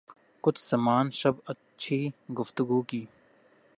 کچھ سامان شب اچھی گفتگو کی